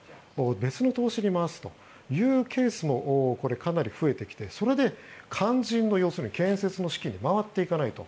別の投資に回すというケースもこれかなり増えてきてそれで肝心の建設の資金に回っていかないと。